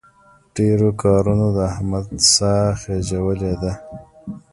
ډېرو کارونو د احمد ساه خېژولې ده.